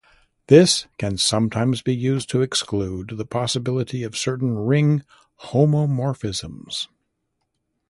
This can sometimes be used to exclude the possibility of certain ring homomorphisms.